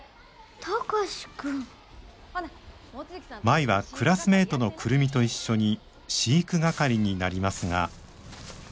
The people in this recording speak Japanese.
舞はクラスメートの久留美と一緒に飼育係になりますが。